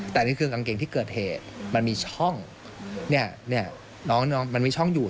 แต่นี่คือกางเกงที่เกิดเหตุมันมีช่องเนี่ยน้องมันมีช่องอยู่